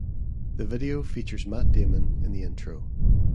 The video features Matt Damon in the intro.